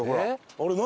あれ何？